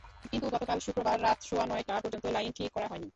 কিন্তু গতকাল শুক্রবার রাত সোয়া নয়টা পর্যন্ত লাইন ঠিক করা হয়নি।